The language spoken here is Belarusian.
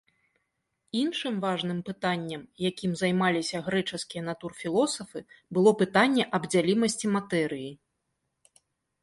Іншым важным пытаннем, якім займаліся грэчаскія натурфілосафы, было пытанне аб дзялімасці матэрыі.